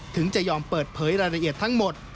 ถึงจะยอมเปิดเผยรายละเอียดทั้งหมด